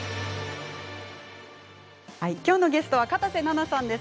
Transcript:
きょうのゲストは片瀬那奈さんです。